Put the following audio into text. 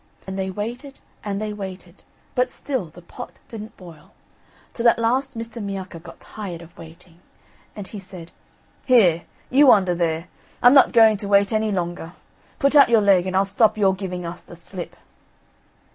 And they waited, and they waited, but still the pot didn't boil, till at last Mr. Miacca got tired of waiting, and he said: "Here, you under there, I'm not going to wait any longer; put out your leg, and I'll stop your giving us the slip."